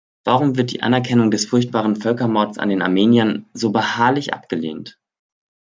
Warum wird die Anerkennung des furchtbaren Völkermords an den Armeniern so beharrlich abgelehnt?